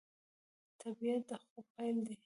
د طبیعت د خوب پیل دی